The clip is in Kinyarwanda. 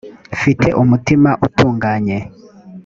mfite umutima utunganye